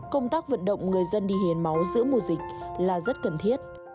công tác vận động người dân đi hiến máu giữa mùa dịch là rất cần thiết